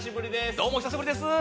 どうもお久しぶりです！